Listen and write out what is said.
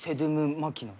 マキノイ。